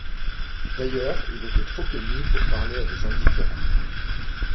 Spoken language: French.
D’ailleurs il était trop ému pour parler à des indifférents.